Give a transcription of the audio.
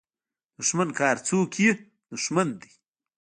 دوښمن که هر څوک وي دوښمن دی